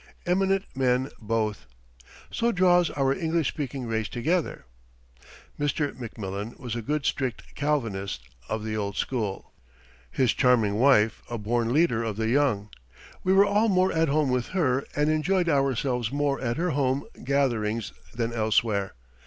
Eminent men both. So draws our English speaking race together.] Mr. McMillan was a good strict Calvinist of the old school, his charming wife a born leader of the young. We were all more at home with her and enjoyed ourselves more at her home gatherings than elsewhere.